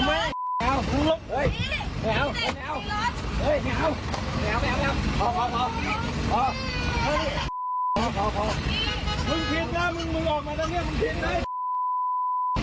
มึงผิดแล้วมึงออกมาแล้วเนี่ยมึงผิดแล้ว